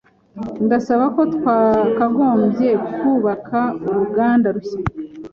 Ndasaba ko twakagombye kubaka uruganda rushya.